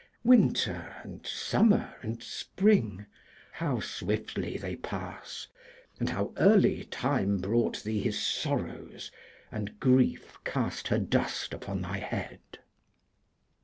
Winter, and summer, and spring, how swiftly they pass, and how early time brought thee his sorrows, and grief cast her dust upon thy head.